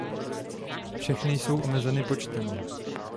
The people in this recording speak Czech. Všechny jsou omezeny počtem.